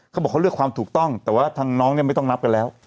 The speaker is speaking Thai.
เขาบอกเขาเลือกความถูกต้องแต่ว่าทางน้องเนี่ยไม่ต้องนับกันแล้ว